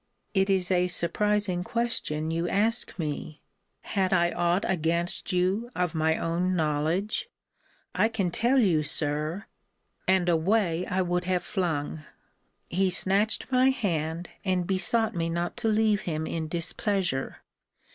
It is a surprising question you ask me Had I aught against you of my own knowledge I can tell you, Sir And away I would have flung. He snatched my hand, and besought me not to leave him in displeasure.